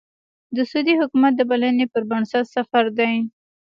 د سعودي حکومت د بلنې پر بنسټ سفر دی.